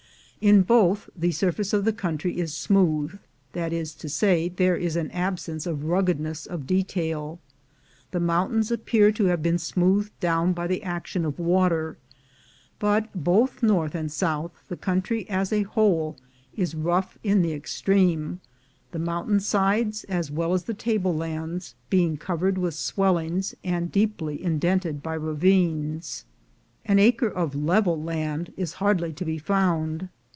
In both the surface of the country is smooth — that is to say, there is an absence of ruggedness of detail — the mountains appear to have been smoothed down by the action of water; but, both north and south, the country as a whole is rough in the extreme, the mountain sides, as well as the table lands, being covered with swellings, and deeply indented by ravines. An acre of level land is hardly to be found.